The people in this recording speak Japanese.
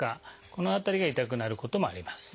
この辺りが痛くなることもあります。